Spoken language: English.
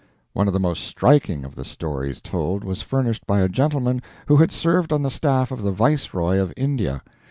One of the most striking of the stories told was furnished by a gentleman who had served on the staff of the Viceroy of India.